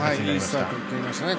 いいスタートを切りましたね。